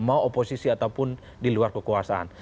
mau oposisi ataupun di luar kekuasaan